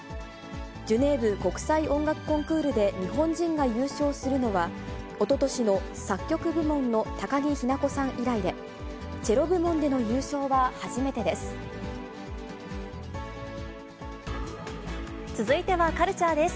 ジュネーブ国際音楽コンクールで日本人が優勝するのは、おととしの作曲部門の高木日向子さん以来で、チェロ部門での優勝続いてはカルチャーです。